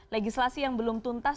legislasi yang belum tuntas